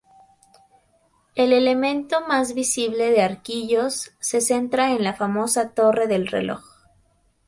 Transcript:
El elemento más visible de Arquillos se centra en la famosa Torre del reloj.